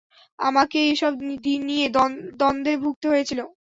আমাকেই এসব নিয়ে দ্বন্দ্বে ভুগতে হয়েছিল।